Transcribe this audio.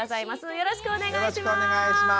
よろしくお願いします。